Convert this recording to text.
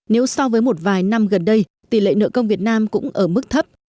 nếu so với một vài năm gần đây tỷ lệ nợ công việt nam cũng ở mức thấp